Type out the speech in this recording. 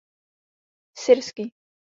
Syrský.